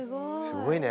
すごいね。